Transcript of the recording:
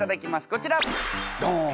こちらドン！